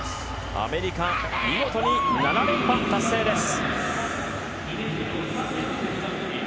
アメリカ見事に７連覇達成です。